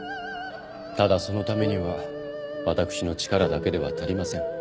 ただそのためには私の力だけでは足りません。